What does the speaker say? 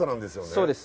そうです